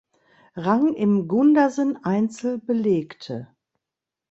Rang im Gundersen Einzel belegte.